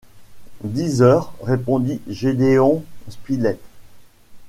Dix heures, répondit Gédéon Spilett